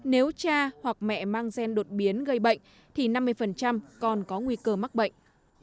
nếu cha hoặc mẹ mang gen đột biến gây bệnh thì năm mươi còn có nguy cơ mắc bệnh